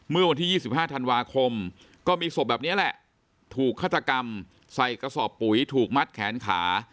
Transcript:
เมื่อวันที่๒๕ธันวาคมก็มีศพแบบนี้แหละถูกฆาตกรรมใส่กระสอบปุ๋ยถูกมัดแขนขา